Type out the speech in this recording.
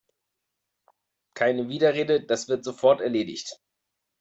Keine Widerrede, das wird sofort erledigt!